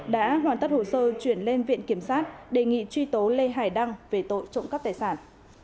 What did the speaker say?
đã hoàn tất hồ sơ chuyển lên viện kiểm sát đề nghị truy tố lê hải đăng về tội trộm cắp tài sản